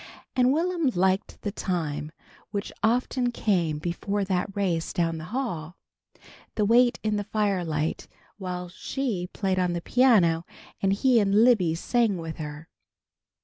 And Will'm liked the time which often came before that race down the hall the wait in the firelight, while She played on the piano and he and Libby sang with her.